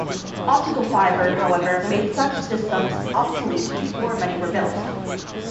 Optical fiber, however, made such systems obsolete before many were built.